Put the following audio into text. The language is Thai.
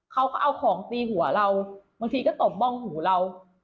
เขาก็เอาของตีหัวเราบางทีก็ตบบ้องหูเรา